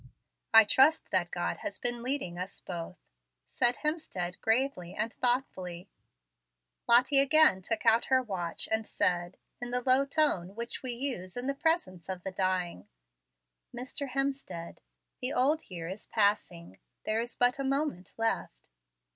"I trust that God has been leading us both," said Hemstead, gravely and thoughtfully. Lottie again took out her watch, and said, in the low tone which we use in the presence of the dying, "Mr. Hemstead, the old year is passing; there is but a moment left."